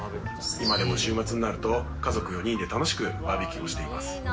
今でも週末になると家族４人で楽しくバーベキューをしています。